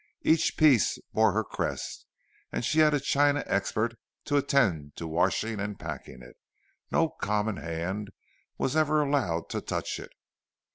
Each piece bore her crest, and she had a china expert to attend to washing and packing it—no common hand was ever allowed to touch it.